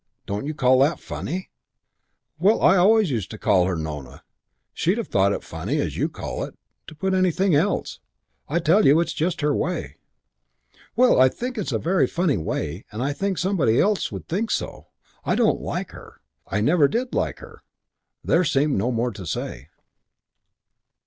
Don't you call that funny?" "Well, I always used to call her 'Nona.' She'd have thought it funny, as you call it, to put anything else. I tell you it's just her way." "Well, I think it's a very funny way and I think anybody else would think so. I don't like her. I never did like her." There seemed no more to say.